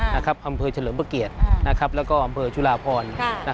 อำเภอนาชลินบริเกียรแล้วก็อำเภอฉุราพร